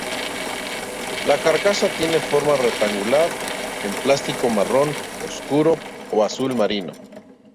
La carcasa tiene forma rectangular en plástico marrón oscuro o azul marino.